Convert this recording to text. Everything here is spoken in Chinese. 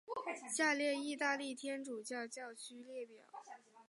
下列意大利天主教教区列表。